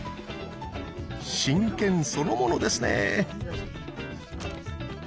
真剣そのものですね。